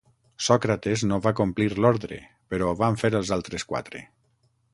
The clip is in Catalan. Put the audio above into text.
Sòcrates no va complir l'ordre però ho van fer els altres quatre.